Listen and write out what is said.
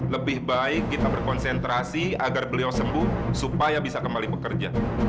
lebih baik kita berkonsentrasi agar beliau sembuh supaya bisa kembali bekerja